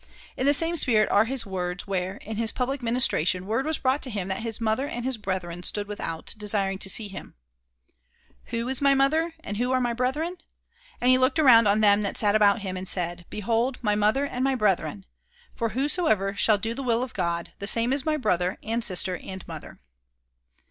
In the same spirit are his words where, in his public ministration, word was brought to him that his mother and his brethren stood without, desiring to see him: "Who is my mother, and who are my brethren? And he looked around on them that sat about him, and said, Behold my mother and my brethren. For whosoever shall do the will of God, the same is my brother and sister and mother."